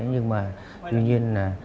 nhưng mà tuy nhiên